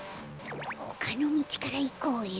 ほかのみちからいこうよ。